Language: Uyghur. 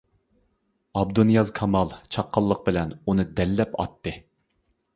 ئابدۇنىياز كامال چاققانلىق بىلەن ئۇنى دەللەپ ئاتتى.